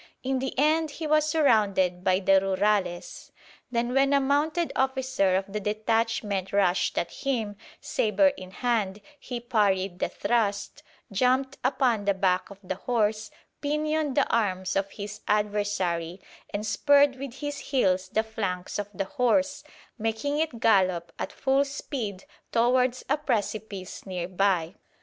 In the end he was surrounded by the Rurales. Then when a mounted officer of the detachment rushed at him, sabre in hand, he parried the thrust, jumped upon the back of the horse, pinioned the arms of his adversary and spurred with his heels the flanks of the horse, making it gallop at full speed towards a precipice near by.